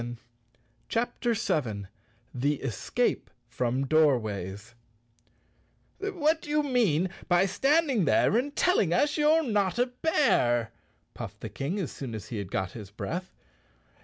83 CHAPTER 7 The Escape From Doorways "TT7HAT do you mean by standing there and tell ing us you're not a bear?" puffed the King, as soon as he had got his breath.